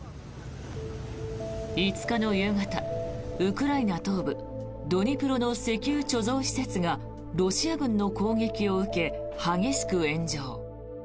５日の夕方、ウクライナ東部ドニプロの石油貯蔵施設がロシア軍の攻撃を受け激しく炎上。